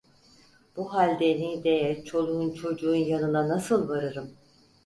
Bu halde Niğde'ye, çoluğun çocuğun yanına nasıl varırım?